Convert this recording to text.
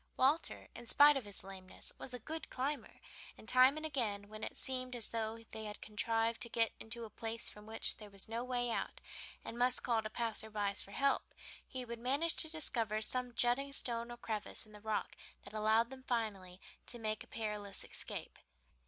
Walter, in spite of his lameness, was a good climber, and time and again, when it seemed as though they had contrived to get into a place from which there was no way out, and must call to passers by for help, he would manage to discover some jutting stone or crevice in the rock that allowed them finally to make a perilous escape.